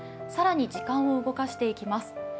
更に時間を動かしていきます。